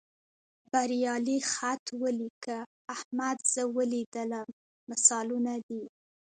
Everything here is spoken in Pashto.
بریالي خط ولیکه، احمد زه ولیدلم مثالونه دي.